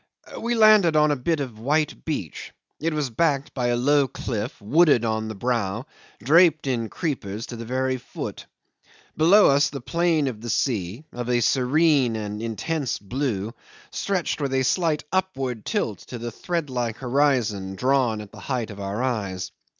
We landed on a bit of white beach. It was backed by a low cliff wooded on the brow, draped in creepers to the very foot. Below us the plain of the sea, of a serene and intense blue, stretched with a slight upward tilt to the thread like horizon drawn at the height of our eyes.